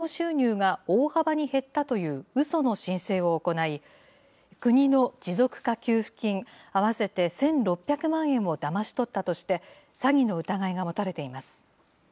建設業者などを装って、新型コロナウイルスの影響で事業収入が大幅に減ったといううその申請を行い、国の持続化給付金、合わせて１６００万円をだまし取ったとして、詐欺の疑いが持たれています。